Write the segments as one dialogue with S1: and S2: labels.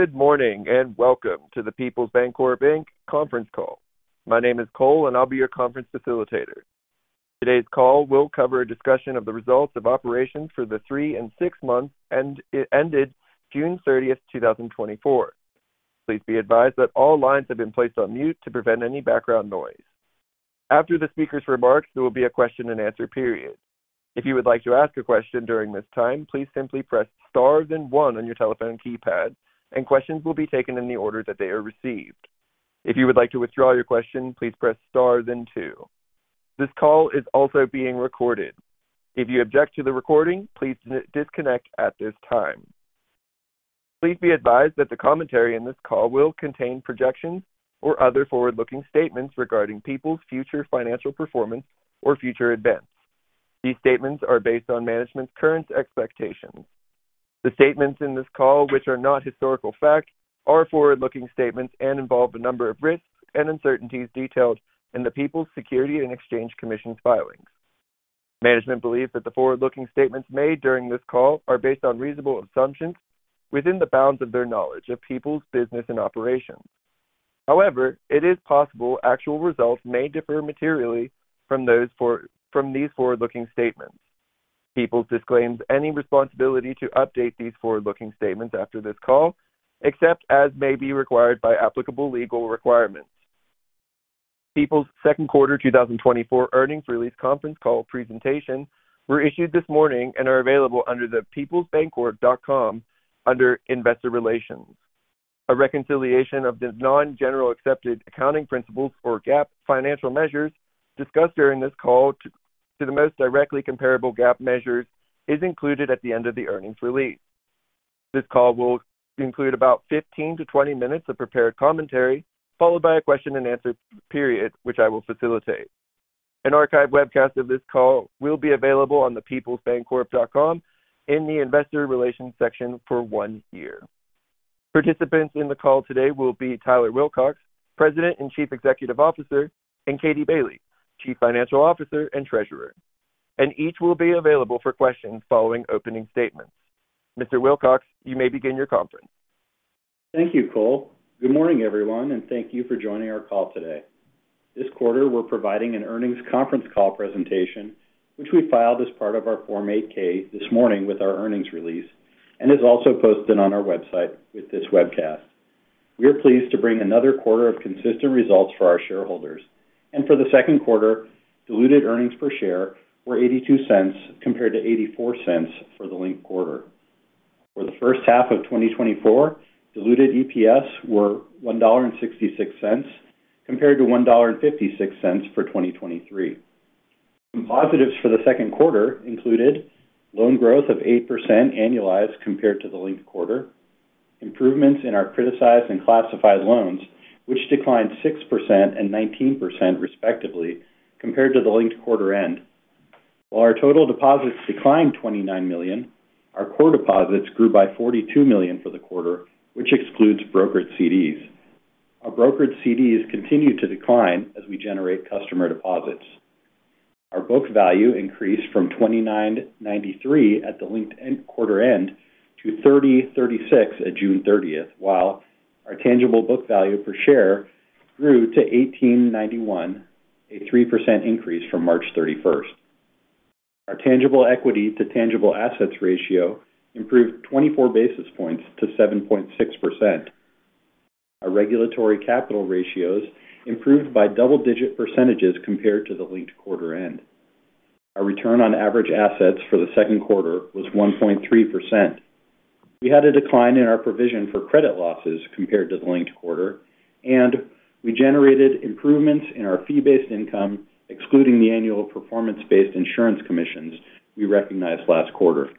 S1: Good morning, and welcome to the Peoples Bancorp Inc. conference call. My name is Cole, and I'll be your conference facilitator. Today's call will cover a discussion of the results of operations for the three and six months ended June 30, 2024. Please be advised that all lines have been placed on mute to prevent any background noise. After the speaker's remarks, there will be a question-and-answer period. If you would like to ask a question during this time, please simply press star then one on your telephone keypad, and questions will be taken in the order that they are received. If you would like to withdraw your question, please press star then two. This call is also being recorded. If you object to the recording, please disconnect at this time. Please be advised that the commentary on this call will contain projections or other forward-looking statements regarding Peoples Bancorp's future financial performance or future events. These statements are based on management's current expectations. The statements in this call, which are not historical facts, are forward-looking statements and involve a number of risks and uncertainties detailed in the Peoples Bancorp's Securities and Exchange Commission filings. Management believes that the forward-looking statements made during this call are based on reasonable assumptions within the bounds of their knowledge of Peoples Bancorp's business and operations. However, it is possible actual results may differ materially from these forward-looking statements. Peoples Bancorp disclaims any responsibility to update these forward-looking statements after this call, except as may be required by applicable legal requirements. Peoples Bancorp's second quarter 2024 earnings release conference call presentation were issued this morning and are available under the peoplesbancorp.com under Investor Relations. A reconciliation of the non-generally accepted accounting principles or GAAP financial measures discussed during this call to the most directly comparable GAAP measures is included at the end of the earnings release. This call will include about 15 to 20 minutes of prepared commentary, followed by a question-and-answer period, which I will facilitate. An archive webcast of this call will be available on the peoplesbancorp.com in the Investor Relations section for 1 year. Participants in the call today will be Tyler Wilcox, President and Chief Executive Officer, and Katie Bailey, Chief Financial Officer and Treasurer, and each will be available for questions following opening statements. Mr. Wilcox, you may begin your conference.
S2: Thank you, Cole. Good morning, everyone, and thank you for joining our call today. This quarter, we're providing an earnings conference call presentation, which we filed as part of our Form 8-K this morning with our earnings release and is also posted on our website with this webcast. We are pleased to bring another quarter of consistent results for our shareholders. For the second quarter, diluted earnings per share were $0.82, compared to $0.84 for the linked quarter. For the first half of 2024, diluted EPS were $1.66, compared to $1.56 for 2023. Some positives for the second quarter included loan growth of 8% annualized compared to the linked quarter, improvements in our Criticized and Classified loans, which declined 6% and 19%, respectively, compared to the linked quarter end. While our total deposits declined $29 million, our core deposits grew by $42 million for the quarter, which excludes brokered CDs. Our brokered CDs continued to decline as we generate customer deposits. Our book value increased from $29.93 at the linked quarter end to $30.36 at June 30, while our tangible book value per share grew to $18.91, a 3% increase from March 31. Our tangible equity to tangible assets ratio improved 24 basis points to 7.6%. Our regulatory capital ratios improved by double-digit percentages compared to the linked quarter end. Our return on average assets for the second quarter was 1.3%. We had a decline in our provision for credit losses compared to the linked quarter, and we generated improvements in our fee-based income, excluding the annual performance-based insurance commissions we recognized last quarter.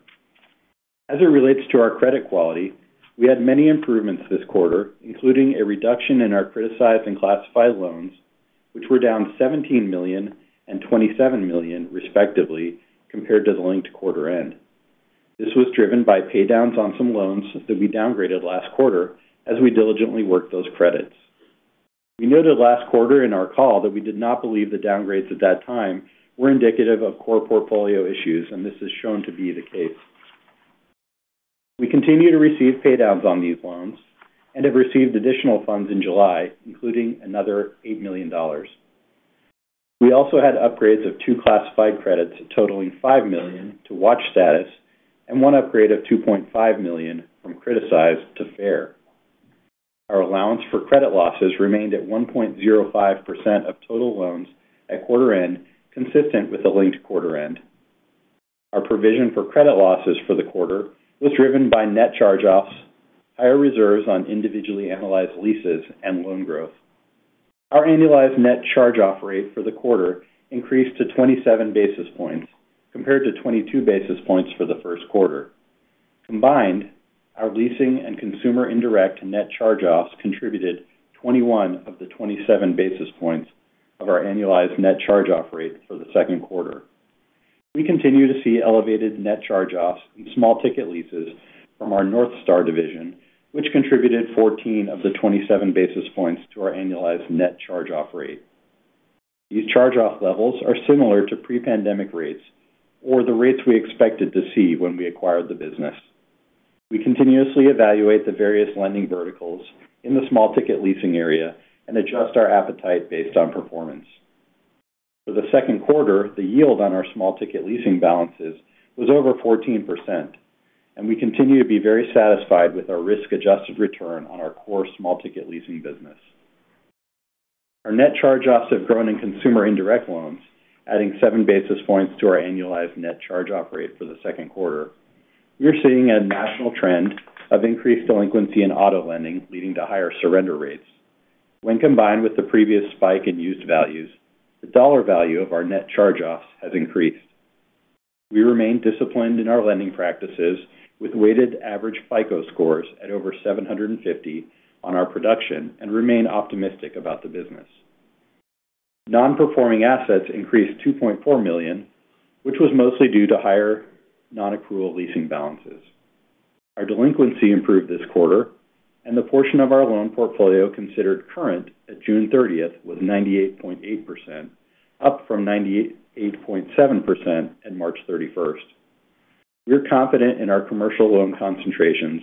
S2: As it relates to our credit quality, we had many improvements this quarter, including a reduction in our Criticized and Classified loans, which were down $17 million and $27 million, respectively, compared to the linked quarter end. This was driven by paydowns on some loans that we downgraded last quarter as we diligently worked those credits. We noted last quarter in our call that we did not believe the downgrades at that time were indicative of core portfolio issues, and this is shown to be the case. We continue to receive paydowns on these loans and have received additional funds in July, including another $8 million. We also had upgrades of two Classified credits totaling $5 million to watch status and one upgrade of $2.5 million from Criticized to Fair. Our allowance for credit losses remained at 1.05% of total loans at quarter end, consistent with the linked quarter end. Our provision for credit losses for the quarter was driven by net charge-offs, higher reserves on individually analyzed leases, and loan growth. Our annualized net charge-off rate for the quarter increased to 27 basis points, compared to 22 basis points for the first quarter. Combined, our leasing and consumer indirect net charge-offs contributed 21 of the 27 basis points of our annualized net charge-off rate for the second quarter. We continue to see elevated net charge-offs in small-ticket leases from our North Star division, which contributed 14 of the 27 basis points to our annualized net charge-off rate.... These charge-off levels are similar to pre-pandemic rates or the rates we expected to see when we acquired the business. We continuously evaluate the various lending verticals in the small ticket leasing area and adjust our appetite based on performance. For the second quarter, the yield on our small ticket leasing balances was over 14%, and we continue to be very satisfied with our risk-adjusted return on our core small ticket leasing business. Our net charge-offs have grown in consumer indirect loans, adding seven basis points to our annualized net charge-off rate for the second quarter. We are seeing a national trend of increased delinquency in auto lending, leading to higher surrender rates. When combined with the previous spike in used values, the dollar value of our net charge-offs has increased. We remain disciplined in our lending practices, with weighted average FICO scores at over 750 on our production, and remain optimistic about the business. Nonperforming assets increased $2.4 million, which was mostly due to higher nonaccrual leasing balances. Our delinquency improved this quarter and the portion of our loan portfolio considered current at June 30 was 98.8%, up from 98.7% at March 31. We're confident in our commercial loan concentrations,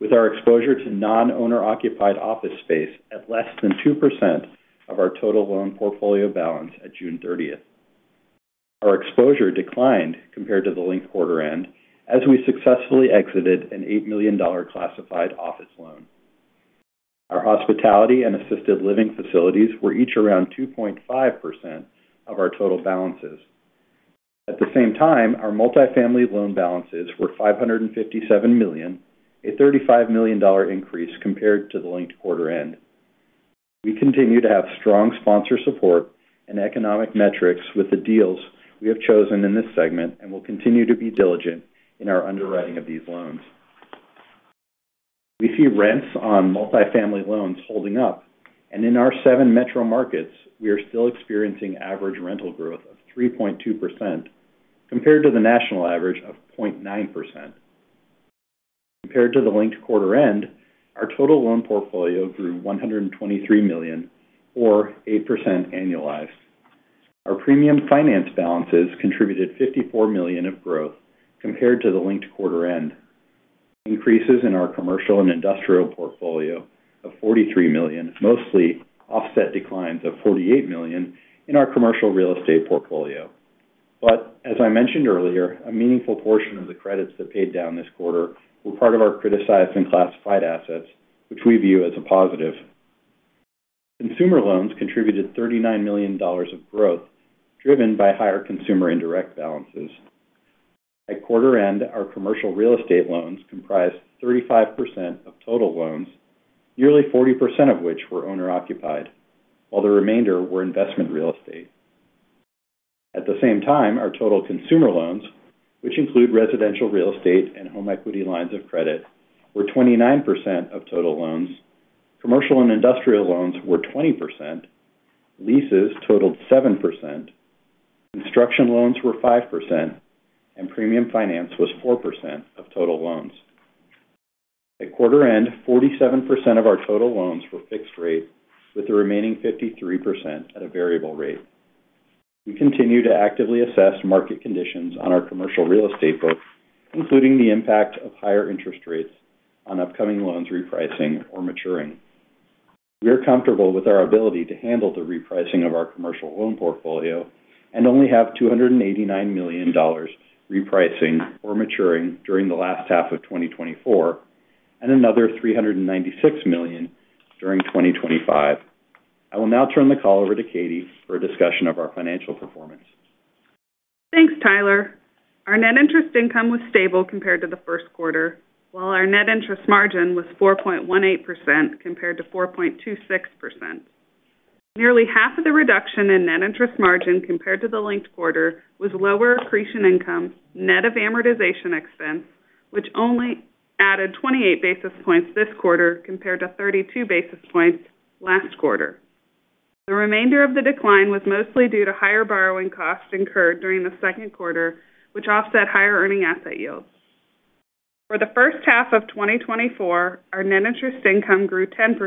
S2: with our exposure to non-owner-occupied office space at less than 2% of our total loan portfolio balance at June 30. Our exposure declined compared to the linked quarter end, as we successfully exited an $8 million classified office loan. Our hospitality and assisted living facilities were each around 2.5% of our total balances. At the same time, our multifamily loan balances were $557 million, a $35 million increase compared to the linked quarter end. We continue to have strong sponsor support and economic metrics with the deals we have chosen in this segment and will continue to be diligent in our underwriting of these loans. We see rents on multifamily loans holding up, and in our seven metro markets, we are still experiencing average rental growth of 3.2%, compared to the national average of 0.9%. Compared to the linked quarter end, our total loan portfolio grew $123 million, or 8% annualized. Our premium finance balances contributed $54 million of growth compared to the linked quarter end. Increases in our commercial and industrial portfolio of $43 million mostly offset declines of $48 million in our commercial real estate portfolio. But as I mentioned earlier, a meaningful portion of the credits that paid down this quarter were part of our criticized and classified assets, which we view as a positive. Consumer loans contributed $39 million of growth, driven by higher consumer indirect balances. At quarter end, our commercial real estate loans comprised 35% of total loans, nearly 40% of which were owner-occupied, while the remainder were investment real estate. At the same time, our total consumer loans, which include residential real estate and home equity lines of credit, were 29% of total loans. Commercial and industrial loans were 20%, leases totaled 7%, construction loans were 5%, and premium finance was 4% of total loans. At quarter end, 47% of our total loans were fixed rate, with the remaining 53% at a variable rate. We continue to actively assess market conditions on our commercial real estate book, including the impact of higher interest rates on upcoming loans repricing or maturing. We are comfortable with our ability to handle the repricing of our commercial loan portfolio and only have $289 million repricing or maturing during the last half of 2024, and another $396 million during 2025. I will now turn the call over to Katie for a discussion of our financial performance.
S3: Thanks, Tyler. Our net interest income was stable compared to the first quarter, while our net interest margin was 4.18% compared to 4.26%. Nearly half of the reduction in net interest margin compared to the linked quarter was lower accretion income net of amortization expense, which only added 28 basis points this quarter compared to 32 basis points last quarter. The remainder of the decline was mostly due to higher borrowing costs incurred during the second quarter, which offset higher earning asset yields. For the first half of 2024, our net interest income grew 10%,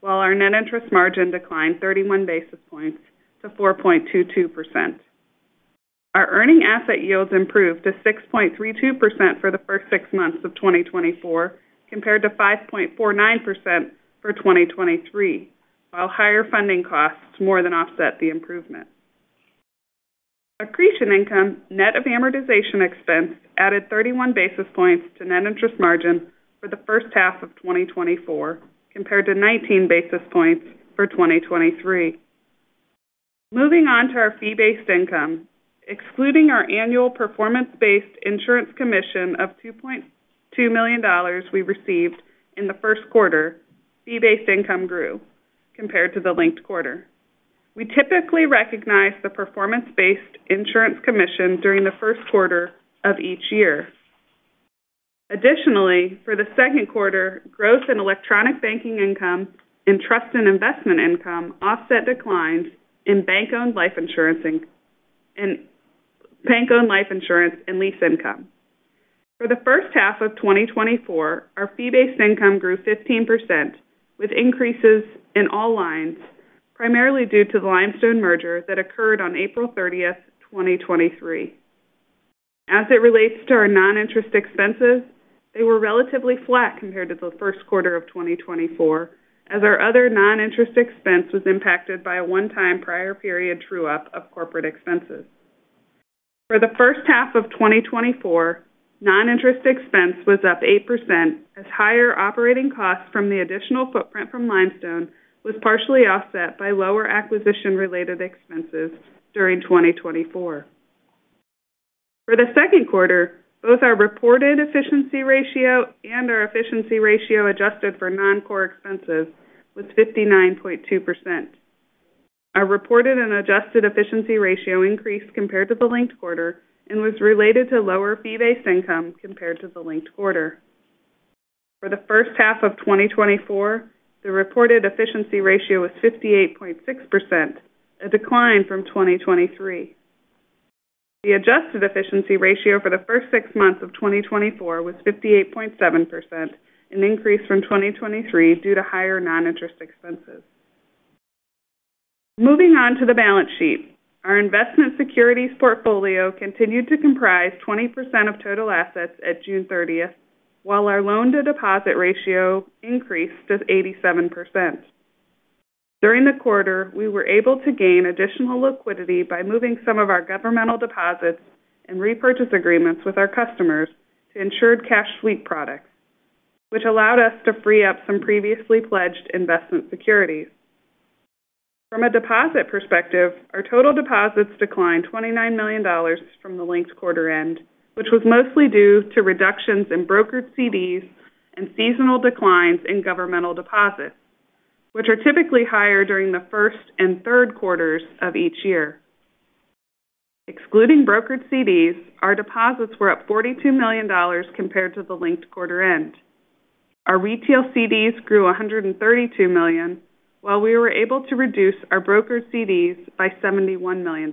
S3: while our net interest margin declined 31 basis points to 4.22%. Our earning asset yields improved to 6.32% for the first six months of 2024, compared to 5.49% for 2023, while higher funding costs more than offset the improvement. Accretion income, net of amortization expense, added 31 basis points to net interest margin for the first half of 2024, compared to 19 basis points for 2023. Moving on to our fee-based income. Excluding our annual performance-based insurance commission of $2.2 million we received in the first quarter, fee-based income grew compared to the linked quarter. We typically recognize the performance-based insurance commission during the first quarter of each year. Additionally, for the second quarter, growth in electronic banking income and trust and investment income offset declines in bank-owned life insurance and lease income. For the first half of 2024, our fee-based income grew 15%, with increases in all lines, primarily due to the Limestone merger that occurred on April 30, 2023. As it relates to our noninterest expenses, they were relatively flat compared to the first quarter of 2024, as our other noninterest expense was impacted by a one-time prior period true up of corporate expenses. For the first half of 2024, noninterest expense was up 8%, as higher operating costs from the additional footprint from Limestone was partially offset by lower acquisition-related expenses during 2024. For the second quarter, both our reported efficiency ratio and our efficiency ratio adjusted for non-core expenses was 59.2%. Our reported and adjusted efficiency ratio increased compared to the linked quarter and was related to lower fee-based income compared to the linked quarter. For the first half of 2024, the reported efficiency ratio was 58.6%, a decline from 2023. The adjusted efficiency ratio for the first six months of 2024 was 58.7%, an increase from 2023 due to higher noninterest expenses. Moving on to the balance sheet. Our investment securities portfolio continued to comprise 20% of total assets at June 30, while our loan-to-deposit ratio increased to 87%. During the quarter, we were able to gain additional liquidity by moving some of our governmental deposits and repurchase agreements with our customers to insured cash sweep products, which allowed us to free up some previously pledged investment securities. From a deposit perspective, our total deposits declined $29 million from the linked quarter end, which was mostly due to reductions in brokered CDs and seasonal declines in governmental deposits, which are typically higher during the first and third quarters of each year. Excluding brokered CDs, our deposits were up $42 million compared to the linked quarter end. Our retail CDs grew $132 million, while we were able to reduce our brokered CDs by $71 million.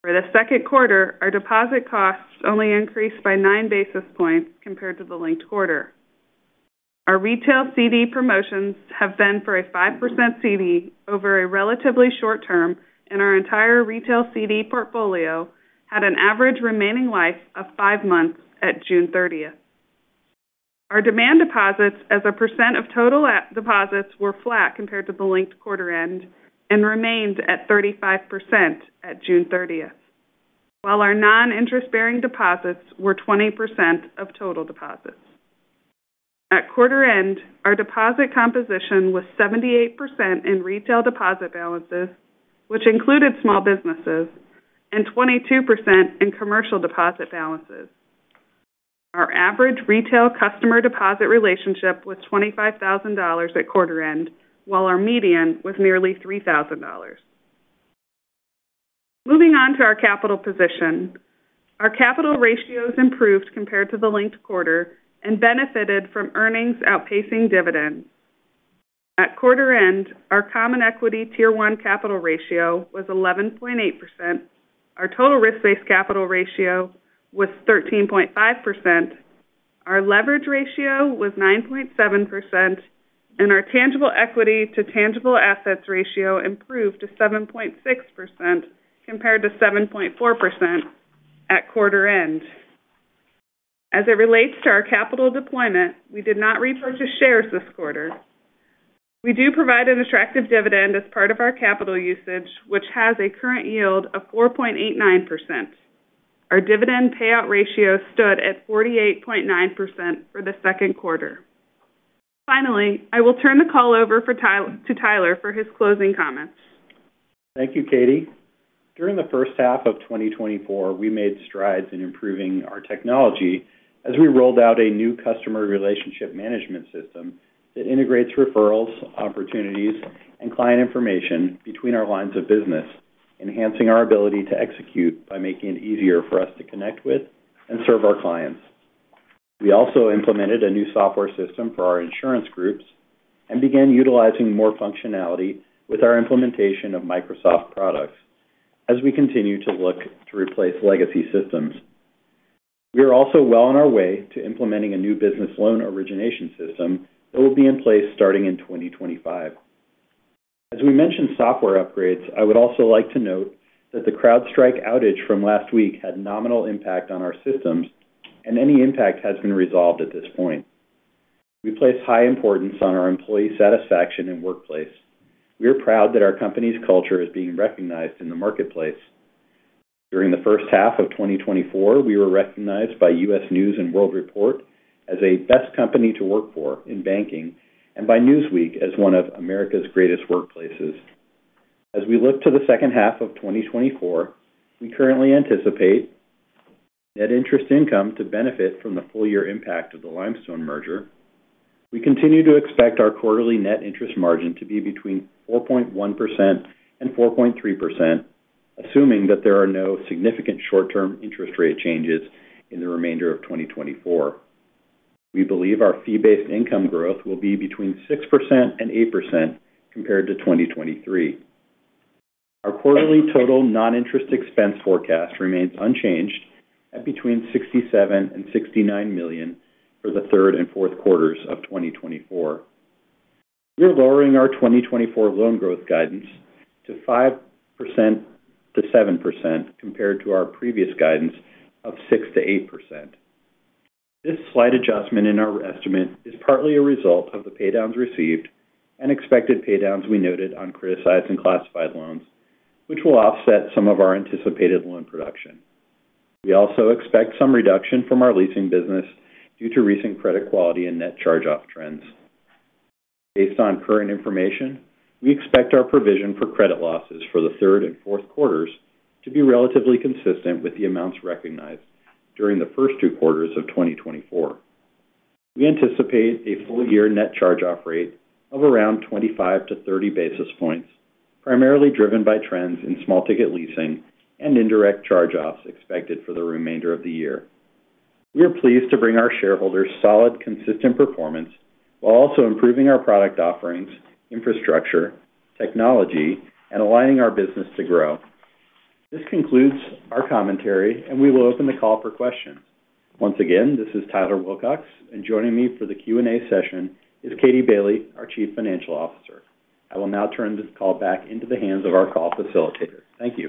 S3: For the second quarter, our deposit costs only increased by 9 basis points compared to the linked quarter. Our retail CD promotions have been for a 5% CD over a relatively short term, and our entire retail CD portfolio had an average remaining life of 5 months at June 30th. Our demand deposits as a percent of total deposits were flat compared to the linked quarter end and remained at 35% at June 30, while our non-interest-bearing deposits were 20% of total deposits. At quarter end, our deposit composition was 78% in retail deposit balances, which included small businesses, and 22% in commercial deposit balances. Our average retail customer deposit relationship was $25,000 at quarter end, while our median was nearly $3,000. Moving on to our capital position. Our capital ratios improved compared to the linked quarter and benefited from earnings outpacing dividends. At quarter end, our Common Equity Tier 1 capital ratio was 11.8%, our total risk-based capital ratio was 13.5%, our leverage ratio was 9.7%, and our tangible equity to tangible assets ratio improved to 7.6% compared to 7.4% at quarter end. As it relates to our capital deployment, we did not repurchase shares this quarter. We do provide an attractive dividend as part of our capital usage, which has a current yield of 4.89%. Our dividend payout ratio stood at 48.9% for the second quarter. Finally, I will turn the call over to Tyler for his closing comments.
S2: Thank you, Katie. During the first half of 2024, we made strides in improving our technology as we rolled out a new customer relationship management system that integrates referrals, opportunities, and client information between our lines of business, enhancing our ability to execute by making it easier for us to connect with and serve our clients. We also implemented a new software system for our insurance groups and began utilizing more functionality with our implementation of Microsoft products as we continue to look to replace legacy systems. We are also well on our way to implementing a new business loan origination system that will be in place starting in 2025. As we mentioned software upgrades, I would also like to note that the CrowdStrike outage from last week had nominal impact on our systems, and any impact has been resolved at this point. We place high importance on our employee satisfaction and workplace. We are proud that our company's culture is being recognized in the marketplace. During the first half of 2024, we were recognized by U.S. News & World Report as a best company to work for in banking and by Newsweek as one of America's greatest workplaces. As we look to the second half of 2024, we currently anticipate net interest income to benefit from the full year impact of the Limestone merger. We continue to expect our quarterly net interest margin to be between 4.1% and 4.3%, assuming that there are no significant short-term interest rate changes in the remainder of 2024. We believe our fee-based income growth will be between 6% and 8% compared to 2023. Our quarterly total noninterest expense forecast remains unchanged at between $67 million and $69 million for the third and fourth quarters of 2024. We're lowering our 2024 loan growth guidance to 5% to 7%, compared to our previous guidance of 6% to 8%. This slight adjustment in our estimate is partly a result of the paydowns received and expected paydowns we noted on criticized and classified loans, which will offset some of our anticipated loan production. We also expect some reduction from our leasing business due to recent credit quality and net charge-off trends. Based on current information, we expect our provision for credit losses for the third and fourth quarters to be relatively consistent with the amounts recognized during the first two quarters of 2024. We anticipate a full year net charge-off rate of around 25-30 basis points, primarily driven by trends in small-ticket leasing and indirect charge-offs expected for the remainder of the year. We are pleased to bring our shareholders solid, consistent performance, while also improving our product offerings, infrastructure, technology, and aligning our business to grow. This concludes our commentary, and we will open the call for questions. Once again, this is Tyler Wilcox, and joining me for the Q&A session is Katie Bailey, our Chief Financial Officer. I will now turn this call back into the hands of our call facilitator. Thank you.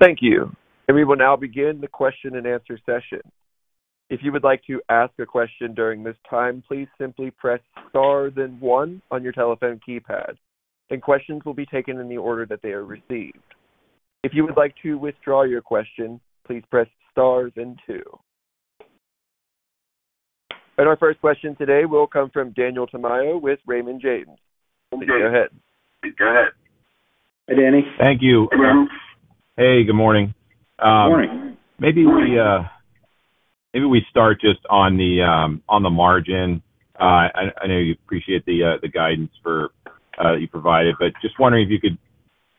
S1: Thank you. We will now begin the question-and-answer session. If you would like to ask a question during this time, please simply press star, then one on your telephone keypad, and questions will be taken in the order that they are received. If you would like to withdraw your question, please press star then two. Our first question today will come from Daniel Tamayo with Raymond James. Go ahead.
S2: Go ahead. Hi, Danny.
S4: Thank you.
S2: Hey, Dan.
S4: Hey, good morning.
S2: Good morning.
S4: Maybe we start just on the margin. I know you appreciate the guidance for you provided, but just wondering if you could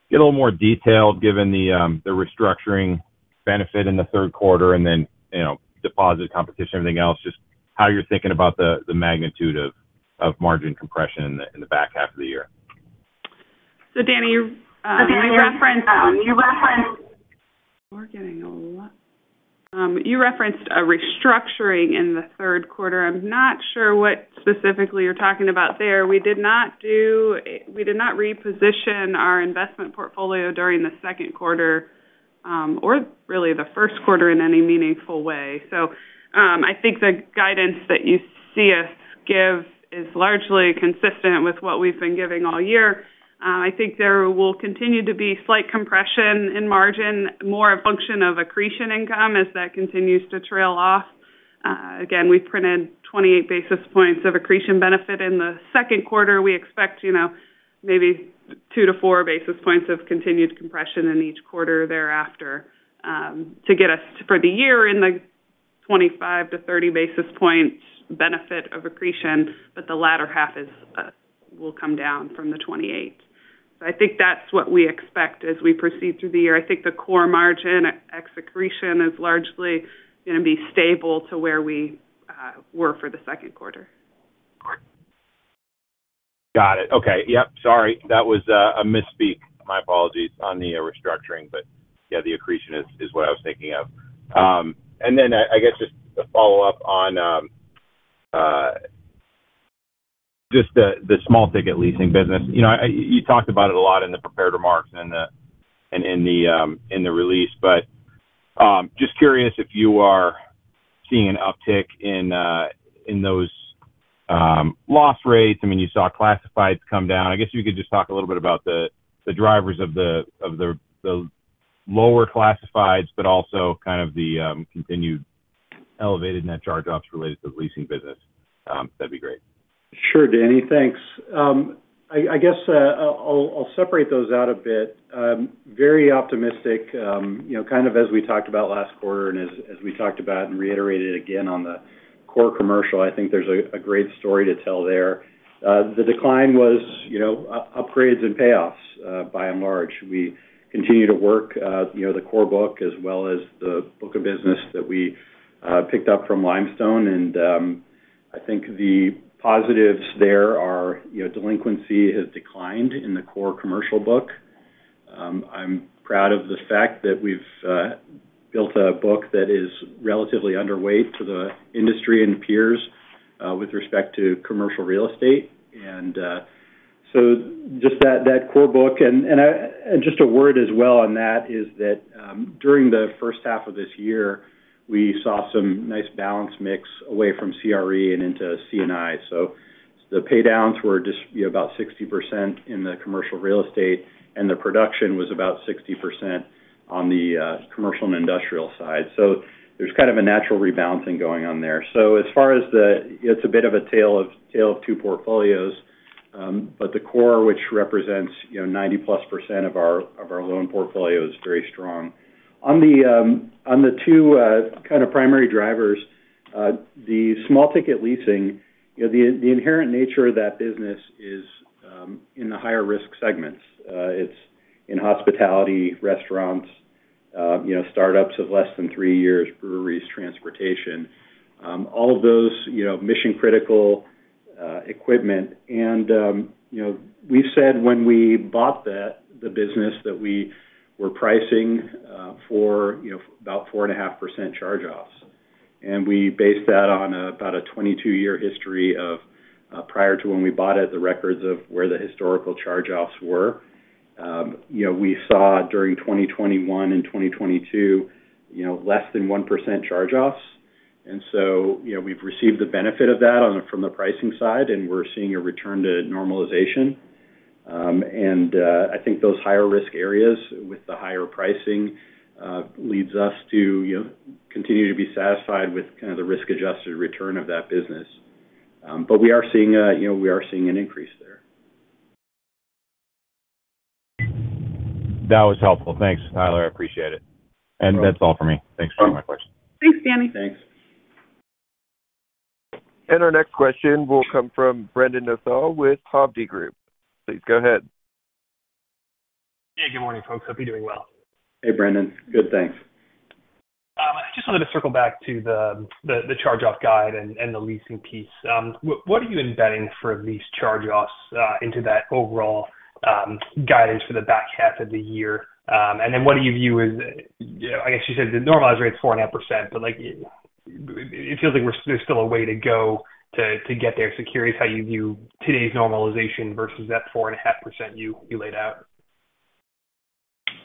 S4: get a little more detail, given the restructuring benefit in the third quarter and then, you know, deposit competition, everything else, just how you're thinking about the magnitude of margin compression in the back half of the year.
S3: So Danny, you referenced a restructuring in the third quarter. I'm not sure what specifically you're talking about there. We did not reposition our investment portfolio during the second quarter, or really the first quarter in any meaningful way. So, I think the guidance that you see us give is largely consistent with what we've been giving all year. I think there will continue to be slight compression in margin, more a function of accretion income as that continues to trail off. Again, we printed 28 basis points of accretion benefit in the second quarter. We expect, you know, maybe 2-4 basis points of continued compression in each quarter thereafter, to get us for the year in the 25-30 basis points benefit of accretion, but the latter half is, will come down from the 28. So I think that's what we expect as we proceed through the year. I think the core margin at ex accretion is largely gonna be stable to where we, were for the second quarter.
S4: Got it. Okay. Yep, sorry, that was a misspeak. My apologies on the restructuring, but yeah, the accretion is what I was thinking of. And then I guess just to follow up on just the small-ticket leasing business. You know, you talked about it a lot in the prepared remarks and in the release. But just curious if you are seeing an uptick in those loss rates. I mean, you saw classifieds come down. I guess if you could just talk a little bit about the drivers of the lower classifieds, but also kind of the continued elevated net charge-offs related to the leasing business, that'd be great.
S2: Sure, Danny, thanks. I guess I'll separate those out a bit. Very optimistic, you know, kind of as we talked about last quarter and as we talked about and reiterated again on the core commercial, I think there's a great story to tell there. The decline was, you know, upgrades and payoffs. By and large, we continue to work, you know, the core book as well as the book of business that we picked up from Limestone. And I think the positives there are, you know, delinquency has declined in the core commercial book. I'm proud of the fact that we've built a book that is relatively underweight to the industry and peers, with respect to commercial real estate. So just that core book and just a word as well on that is that, during the first half of this year, we saw some nice balance mix away from CRE and into C&I. So the paydowns were just, you know, about 60% in the commercial real estate, and the production was about 60% on the commercial and industrial side. So there's kind of a natural rebalancing going on there. So as far as the, it's a bit of a tale of two portfolios, but the core, which represents, you know, 90+% of our loan portfolio, is very strong. On the two kind of primary drivers, the small-ticket leasing, you know, the inherent nature of that business is in the higher-risk segments. It's in hospitality, restaurants. You know, startups of less than three years, breweries, transportation, all of those, you know, mission-critical equipment. You know, we said when we bought that, the business that we were pricing for, you know, about 4.5% charge-offs, and we based that on about a 22-year history of, prior to when we bought it, the records of where the historical charge-offs were. You know, we saw during 2021 and 2022, you know, less than 1% charge-offs. So, you know, we've received the benefit of that from the pricing side, and we're seeing a return to normalization. I think those higher risk areas with the higher pricing leads us to, you know, continue to be satisfied with kind of the risk-adjusted return of that business. We are seeing, you know, we are seeing an increase there.
S4: That was helpful. Thanks, Tyler, I appreciate it. And that's all for me. Thanks for my question.
S3: Thanks, Danny.
S2: Thanks.
S1: Our next question will come from Brendan Nosal with Hovde Group. Please go ahead.
S5: Hey, good morning, folks. Hope you're doing well.
S2: Hey, Brendan. Good, thanks.
S5: I just wanted to circle back to the charge-off guide and the leasing piece. What are you embedding for lease charge-offs into that overall guidance for the back half of the year? And then what do you view as, you know, I guess you said the normalized rate is 4.5%, but, like, it feels like we're—there's still a way to go to get there. So curious how you view today's normalization versus that 4.5% you laid out.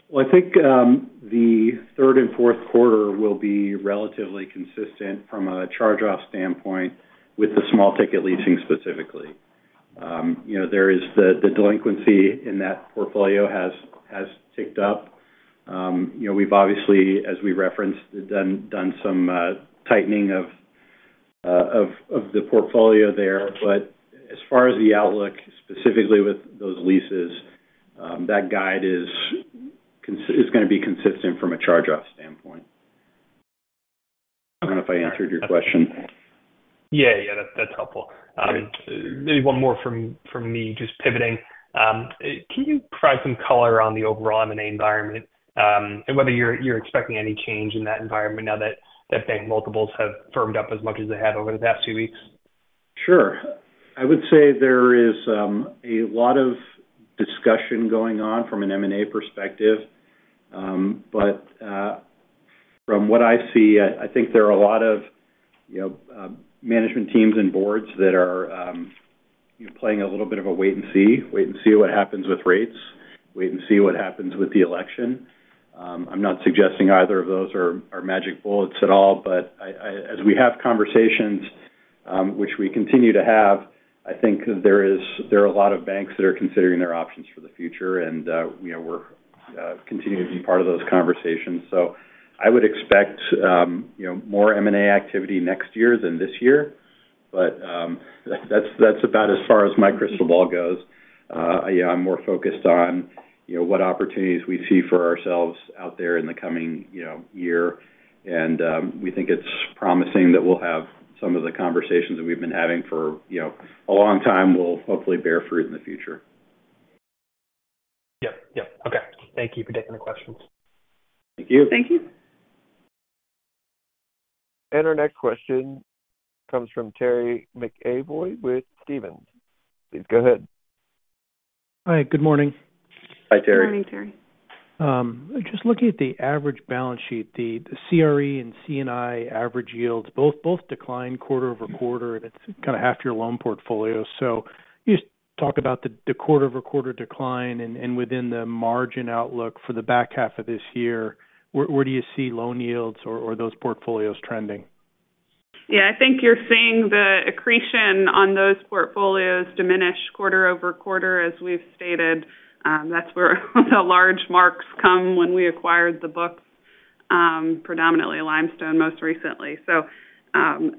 S2: Well, I think the third and fourth quarter will be relatively consistent from a charge-off standpoint with the small ticket leasing specifically. You know, there is the delinquency in that portfolio has ticked up. You know, we've obviously, as we referenced, done some tightening of the portfolio there. But as far as the outlook, specifically with those leases, that guide is gonna be consistent from a charge-off standpoint. I don't know if I answered your question.
S5: Yeah, yeah, that's helpful. Maybe one more from me, just pivoting. Can you provide some color on the overall M&A environment, and whether you're expecting any change in that environment now that bank multiples have firmed up as much as they have over the past two weeks?
S2: Sure. I would say there is a lot of discussion going on from an M&A perspective. But from what I see, I think there are a lot of, you know, management teams and boards that are playing a little bit of a wait and see. Wait and see what happens with rates, wait and see what happens with the election. I'm not suggesting either of those are magic bullets at all, but as we have conversations, which we continue to have, I think there are a lot of banks that are considering their options for the future, and, you know, we're continuing to be part of those conversations. So I would expect, you know, more M&A activity next year than this year, but that's about as far as my crystal ball goes. Yeah, I'm more focused on, you know, what opportunities we see for ourselves out there in the coming, you know, year. We think it's promising that we'll have some of the conversations that we've been having for, you know, a long time, will hopefully bear fruit in the future.
S5: Yep, yep. Okay. Thank you for taking the questions.
S2: Thank you.
S3: Thank you.
S1: Our next question comes from Terry McEvoy with Stephens. Please go ahead.
S6: Hi, good morning.
S2: Hi, Terry.
S3: Good morning, Terry.
S6: Just looking at the average balance sheet, the CRE and C&I average yields, both declined quarter-over-quarter, and it's kind of half your loan portfolio. So can you just talk about the quarter-over-quarter decline, and within the margin outlook for the back half of this year, where do you see loan yields or those portfolios trending?
S3: Yeah, I think you're seeing the accretion on those portfolios diminish quarter-over-quarter, as we've stated. That's where the large marks come when we acquired the books, predominantly Limestone, most recently. So,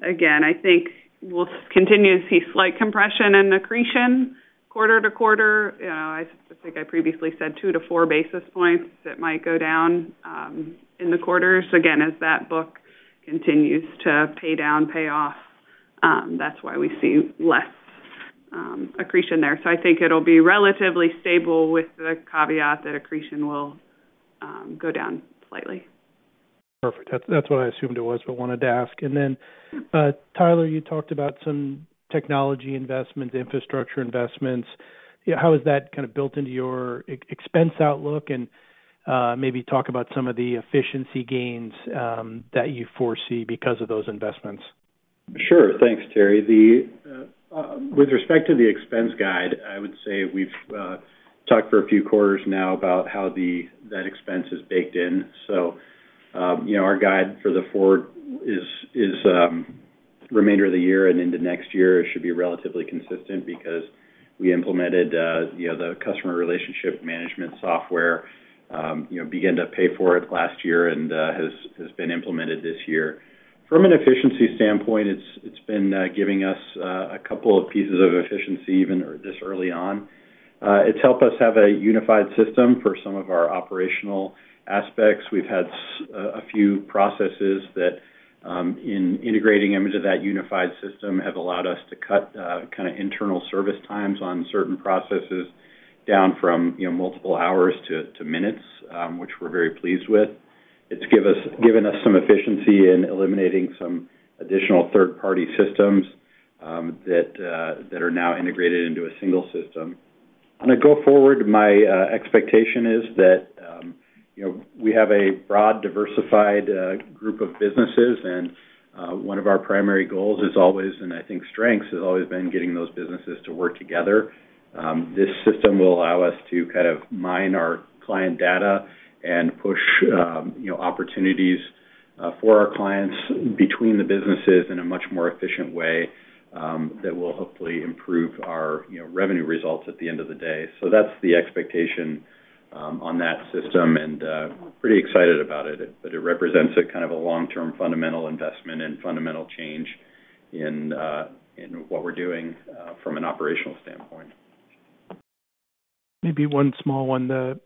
S3: again, I think we'll continue to see slight compression and accretion quarter-over-quarter. I think I previously said 2-4 basis points that might go down in the quarters. Again, as that book continues to pay down, pay off, that's why we see less accretion there. So I think it'll be relatively stable, with the caveat that accretion will go down slightly.
S6: Perfect. That's, that's what I assumed it was, but wanted to ask. And then, Tyler, you talked about some technology investments, infrastructure investments. How is that kind of built into your expense outlook? And, maybe talk about some of the efficiency gains that you foresee because of those investments.
S2: Sure. Thanks, Terry. The... With respect to the expense guide, I would say we've talked for a few quarters now about how the, that expense is baked in. So, you know, our guide for the forward is, is remainder of the year and into next year, it should be relatively consistent because we implemented, you know, the customer relationship management software, you know, began to pay for it last year and, has, has been implemented this year. From an efficiency standpoint, it's, it's been giving us a couple of pieces of efficiency, even this early on. It's helped us have a unified system for some of our operational aspects. We've had some-... A few processes that, in integrating them into that unified system, have allowed us to cut, kind of internal service times on certain processes down from, you know, multiple hours to minutes, which we're very pleased with. It's given us some efficiency in eliminating some additional third-party systems, that are now integrated into a single system. When I go forward, my expectation is that, you know, we have a broad, diversified group of businesses, and one of our primary goals is always, and I think strengths, has always been getting those businesses to work together. This system will allow us to kind of mine our client data and push, you know, opportunities for our clients between the businesses in a much more efficient way that will hopefully improve our, you know, revenue results at the end of the day. So that's the expectation on that system, and we're pretty excited about it. But it represents a kind of a long-term fundamental investment and fundamental change in what we're doing from an operational standpoint.
S6: Maybe one small one. The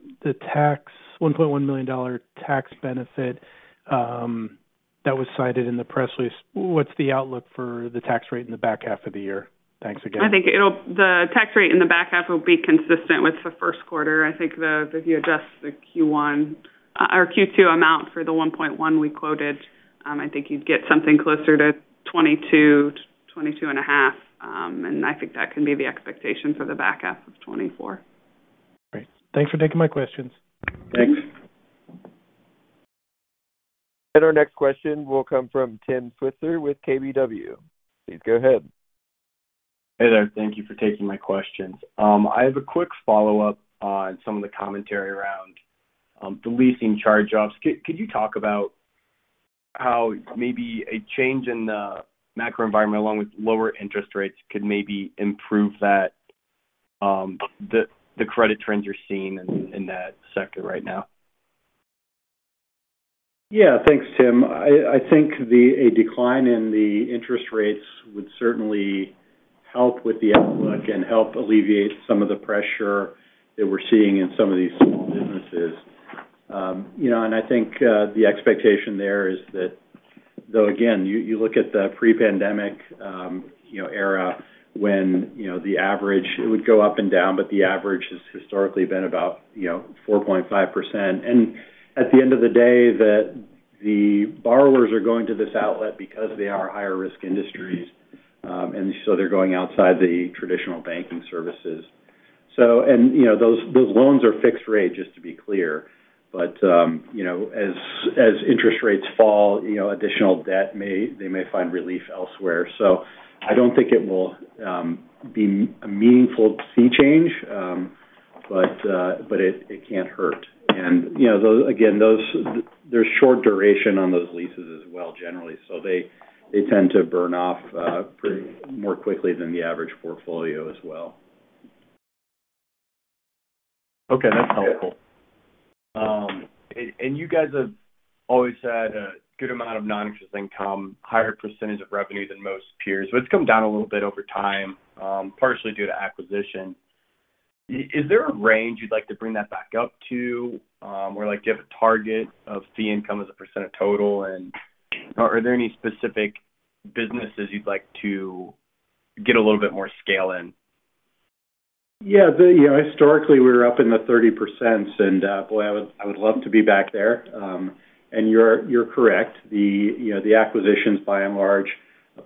S6: $1.1 million tax benefit that was cited in the press release, what's the outlook for the tax rate in the back half of the year? Thanks again.
S3: I think the tax rate in the back half will be consistent with the first quarter. I think, if you adjust the Q1 or Q2 amount for the 1.1 we quoted, I think you'd get something closer to 22%-22.5%. And I think that can be the expectation for the back half of 2024.
S6: Great. Thanks for taking my questions.
S2: Thanks.
S1: Our next question will come from Tim Switzer with KBW. Please go ahead.
S7: Hey there. Thank you for taking my questions. I have a quick follow-up on some of the commentary around the leasing charge-offs. Could you talk about how maybe a change in the macro environment, along with lower interest rates, could maybe improve that, the credit trends you're seeing in that sector right now?
S2: Yeah. Thanks, Tim. I think a decline in the interest rates would certainly help with the outlook and help alleviate some of the pressure that we're seeing in some of these small businesses. You know, and I think the expectation there is that, though, again, you look at the pre-pandemic era, when the average it would go up and down, but the average has historically been about 4.5%. And at the end of the day, the borrowers are going to this outlet because they are higher risk industries, and so they're going outside the traditional banking services. So, and you know, those loans are fixed rate, just to be clear. But you know, as interest rates fall, you know, additional debt may. They may find relief elsewhere. So I don't think it will be a meaningful sea change, but, but it, it can't hurt. And, you know, though again, those. There's short duration on those leases as well, generally. So they, they tend to burn off, pretty more quickly than the average portfolio as well.
S7: Okay, that's helpful. And you guys have always had a good amount of non-interest income, higher percentage of revenue than most peers, but it's come down a little bit over time, partially due to acquisition. Is there a range you'd like to bring that back up to? Or, like, do you have a target of fee income as a percent of total? And are there any specific businesses you'd like to get a little bit more scale in?
S2: Yeah, the, you know, historically, we were up in the 30%, and, boy, I would, I would love to be back there. And you're, you're correct, the, you know, the acquisitions, by and large,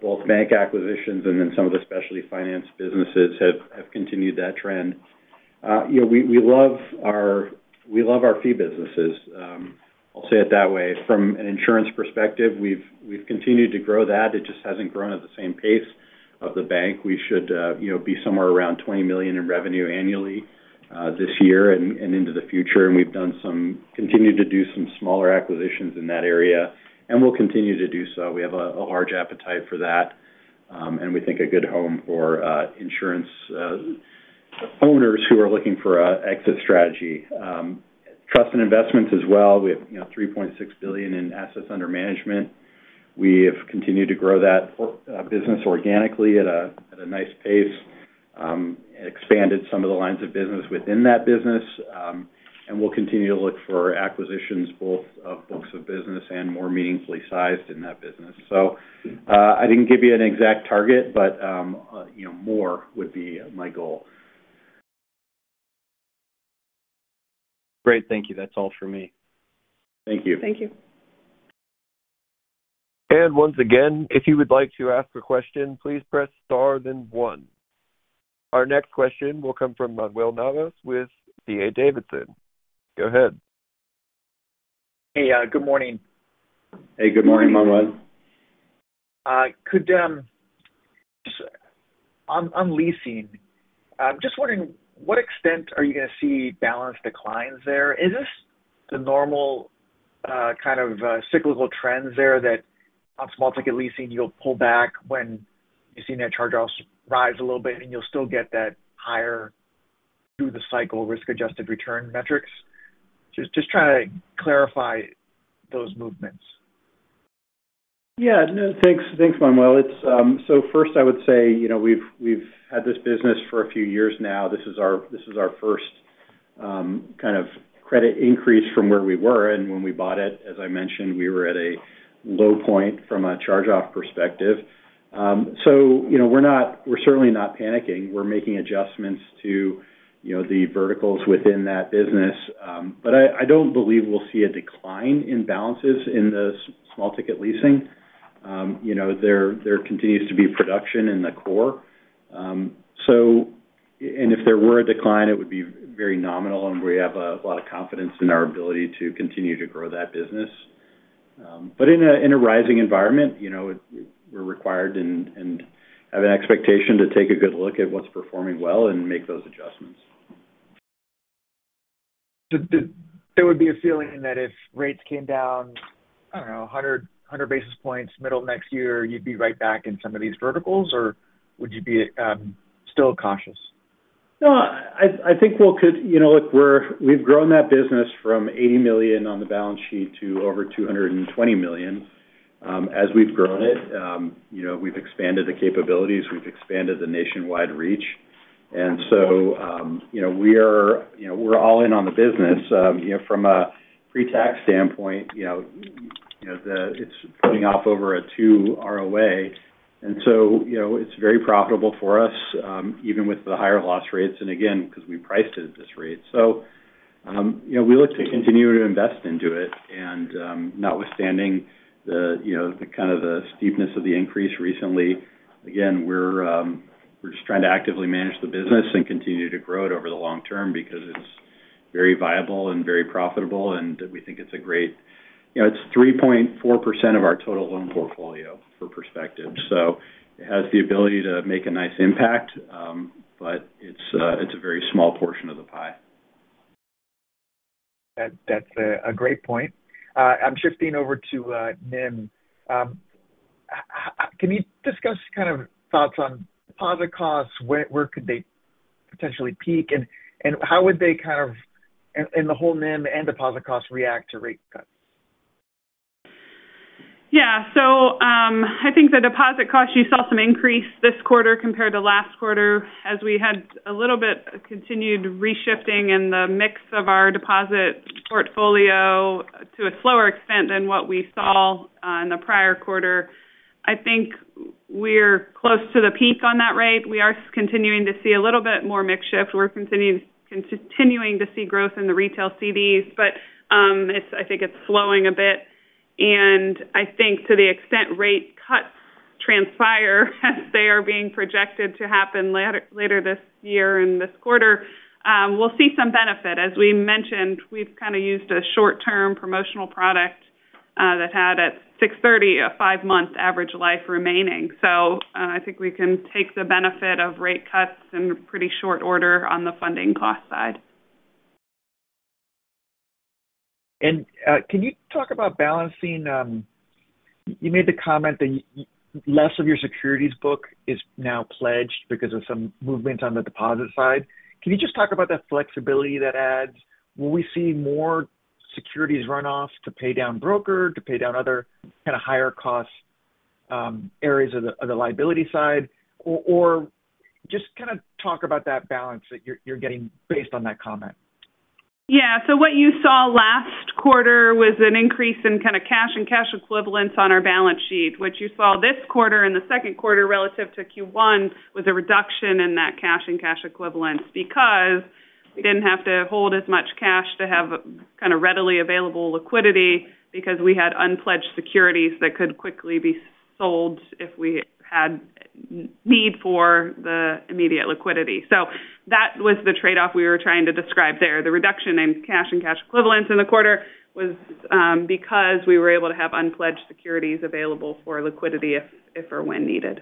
S2: both bank acquisitions and then some of the specialty finance businesses, have, have continued that trend. You know, we, we love our, we love our fee businesses, I'll say it that way. From an insurance perspective, we've, we've continued to grow that. It just hasn't grown at the same pace of the bank. We should, you know, be somewhere around $20 million in revenue annually, this year and, and into the future. And we've done some... continued to do some smaller acquisitions in that area, and we'll continue to do so. We have a large appetite for that, and we think a good home for insurance owners who are looking for a exit strategy. Trust and investments as well, we have, you know, $3.6 billion in assets under management. We have continued to grow that business organically at a nice pace, expanded some of the lines of business within that business. And we'll continue to look for acquisitions, both of books of business and more meaningfully sized in that business. So, I didn't give you an exact target, but, you know, more would be my goal.
S7: Great. Thank you. That's all for me.
S2: Thank you.
S3: Thank you.
S1: Once again, if you would like to ask a question, please press Star, then One. Our next question will come from Manuel Navas, with D.A. Davidson. Go ahead.
S8: Hey, good morning.
S2: Hey, good morning, Manuel.
S8: Could, just on, on leasing, I'm just wondering, what extent are you gonna see balance declines there? Is this the normal, kind of, cyclical trends there, that on small ticket leasing, you'll pull back when you've seen that charge-offs rise a little bit, and you'll still get that higher through the cycle risk-adjusted return metrics? Just trying to clarify those movements....
S2: Yeah. No, thanks. Thanks, Manuel. It's so first, I would say, you know, we've had this business for a few years now. This is our, this is our first kind of credit increase from where we were. And when we bought it, as I mentioned, we were at a low point from a charge-off perspective. So, you know, we're not. We're certainly not panicking. We're making adjustments to, you know, the verticals within that business. But I don't believe we'll see a decline in balances in the small ticket leasing. You know, there continues to be production in the core. So, and if there were a decline, it would be very nominal, and we have a lot of confidence in our ability to continue to grow that business. In a rising environment, you know, we're required and have an expectation to take a good look at what's performing well and make those adjustments.
S8: So there would be a feeling that if rates came down, I don't know, 100, 100 basis points middle of next year, you'd be right back in some of these verticals, or would you be still cautious?
S2: No, I think we could. You know, look, we're-- we've grown that business from $80 million on the balance sheet to over $220 million. As we've grown it, you know, we've expanded the capabilities, we've expanded the nationwide reach. And so, you know, we are, you know, we're all in on the business. You know, from a pretax standpoint, you know, you know, the-- it's putting off over a 2 ROA. And so, you know, it's very profitable for us, even with the higher loss rates, and again, because we priced it at this rate. So, you know, we look to continue to invest into it. And, notwithstanding the, you know, the kind of, the steepness of the increase recently, again, we're just trying to actively manage the business and continue to grow it over the long term because it's very viable and very profitable, and we think it's a great... You know, it's 3.4% of our total loan portfolio, for perspective. So it has the ability to make a nice impact, but it's a very small portion of the pie.
S8: That's a great point. I'm shifting over to NIM. Can you discuss kind of thoughts on deposit costs? Where could they potentially peak? And how would they kind of and the whole NIM and deposit costs react to rate cuts?
S3: Yeah. So, I think the deposit costs, you saw some increase this quarter compared to last quarter, as we had a little bit continued reshifting in the mix of our deposit portfolio to a slower extent than what we saw in the prior quarter. I think we're close to the peak on that rate. We are continuing to see a little bit more mix shift. We're continuing to see growth in the retail CDs, but, I think it's slowing a bit. And I think to the extent rate cuts transpire, as they are being projected to happen later this year and this quarter, we'll see some benefit. As we mentioned, we've kind of used a short-term promotional product that had at 6.30, a five-month average life remaining. I think we can take the benefit of rate cuts in pretty short order on the funding cost side.
S8: Can you talk about balancing? You made the comment that less of your securities book is now pledged because of some movement on the deposit side. Can you just talk about the flexibility that adds? Will we see more securities run off to pay down brokered, to pay down other kind of higher cost areas of the liability side? Or just kind of talk about that balance that you're getting based on that comment.
S3: Yeah. So what you saw last quarter was an increase in kind of cash and cash equivalents on our balance sheet, which you saw this quarter and the second quarter relative to Q1, was a reduction in that cash and cash equivalents. Because we didn't have to hold as much cash to have kind of readily available liquidity, because we had unpledged securities that could quickly be sold if we had need for the immediate liquidity. So that was the trade-off we were trying to describe there. The reduction in cash and cash equivalents in the quarter was because we were able to have unpledged securities available for liquidity if or when needed.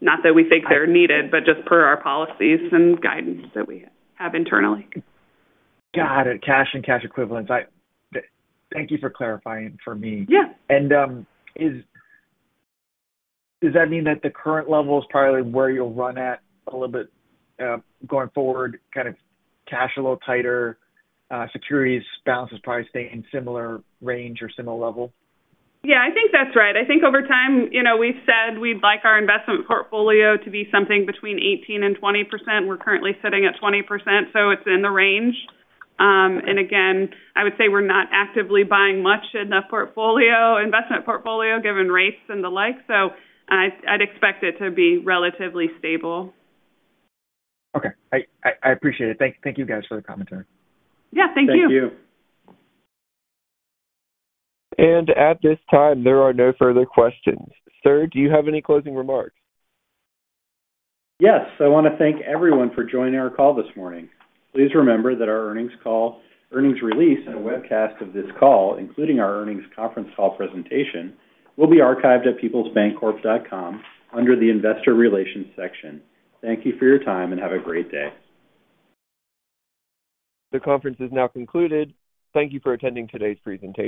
S3: Not that we think they're needed, but just per our policies and guidance that we have internally.
S8: Got it. Cash and cash equivalents. I thank you for clarifying for me.
S3: Yeah.
S8: And, does that mean that the current level is probably where you'll run at a little bit, securities balances probably stay in similar range or similar level?
S3: Yeah, I think that's right. I think over time, you know, we've said we'd like our investment portfolio to be something between 18% and 20%. We're currently sitting at 20%, so it's in the range. And again, I would say we're not actively buying much in the portfolio, investment portfolio, given rates and the like, so I, I'd expect it to be relatively stable.
S8: Okay. I appreciate it. Thank you guys for the commentary.
S3: Yeah, thank you.
S2: Thank you.
S1: At this time, there are no further questions. Sir, do you have any closing remarks?
S2: Yes. I want to thank everyone for joining our call this morning. Please remember that our earnings call, earnings release and a webcast of this call, including our earnings conference call presentation, will be archived at peoplesbancorp.com under the Investor Relations section. Thank you for your time, and have a great day.
S1: The conference is now concluded. Thank you for attending today's presentation.